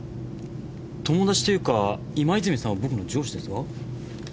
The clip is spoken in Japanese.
友達というか今泉さんは僕の上司ですが。